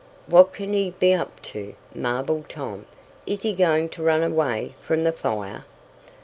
"What can he be up to?" marveled Ned. "Is he going to run away from the fire?"